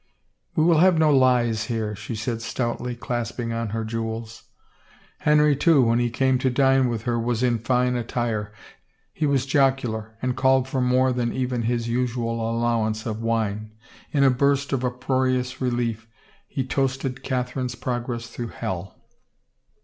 " We will have no lies here, she said stoutly, clasping on her jewels. Henry, too, when he came to dine with her was in fine attire. He was jocular and called for more than even his usual allowance of wine ; in a burst of uproari ous relief he toasted Catherine's progress through hell.